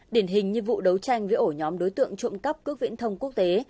điển hình như vụ đấu tranh với ổ nhóm đối tượng trộm cắp cước viễn thông quốc tế